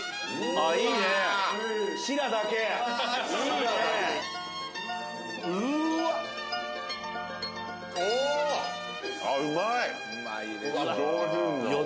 あっうまい！